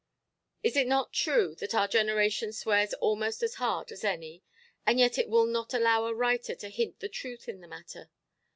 Is it not true that our generation swears almost as hard as any? And yet it will not allow a writer to hint the truth in the matter.